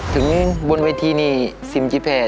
ถึงบนวันทีนี้ซิมกับแพร่